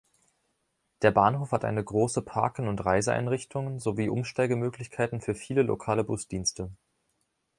Der Bahnhof hat eine große Parken-und-Reisen-Einrichtung sowie Umsteigemöglichkeiten für viele lokale Busdienste.